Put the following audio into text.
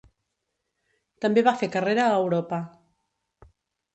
També va fer carrera a Europa.